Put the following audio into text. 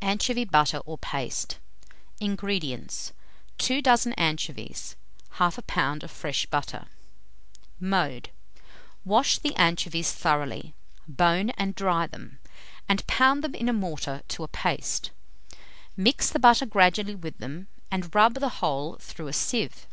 ANCHOVY BUTTER OR PASTE. 227. INGREDIENTS. 2 dozen anchovies, 1/2 lb. of fresh butter. Mode. Wash the anchovies thoroughly; bone and dry them, and pound them in a mortar to a paste. Mix the butter gradually with them, and rub the whole through a sieve.